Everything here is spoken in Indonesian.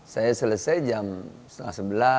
saya selesai jam setengah sebelas